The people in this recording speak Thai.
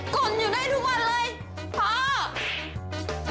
่นอยู่ได้ทุกวันเลยพ่อ